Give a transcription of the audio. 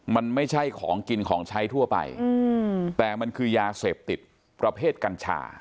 มันไม่ใช่ของกินของใช้ทั่วไปแต่มันคือยาเสพติดประเภทกัญชา